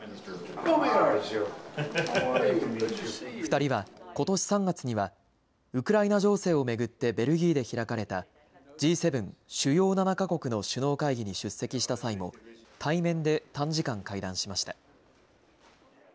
２人は、ことし３月にはウクライナ情勢を巡ってベルギーで開かれたＧ７・主要７か国の首脳会議に出席した際も対面で短時間、会談しました。